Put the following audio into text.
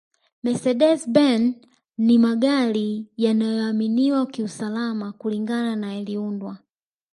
mecedes ben ni magari yanayoaminiwa kiusalama kulingana na yaliundwa